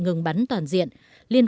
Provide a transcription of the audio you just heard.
ngừng bắn toàn diện